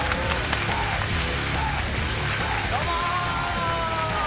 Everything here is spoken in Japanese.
どうも。